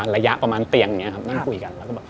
ระยะประมาณเตียงนี้ครับนั่งคุยกัน